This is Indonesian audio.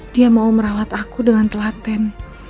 dia mau merawat aku dengan telaten